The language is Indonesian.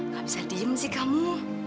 gak bisa diem sih kamu